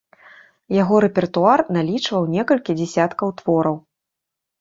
Яго рэпертуар налічваў некалькі дзясяткаў твораў.